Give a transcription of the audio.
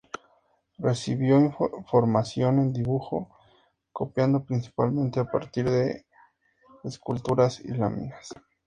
Recibió formación en dibujo, copiando principalmente a partir de esculturas y láminas.